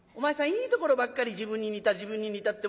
いいところばっかり自分に似た自分に似たって。